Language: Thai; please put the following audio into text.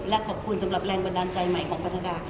และขอบคุณสำหรับแรงบันดาลใจใหม่ของพัฒนาค่ะ